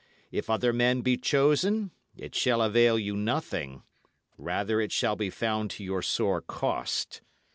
If other men be chosen, it shall avail you nothing; rather it shall be found to your sore cost.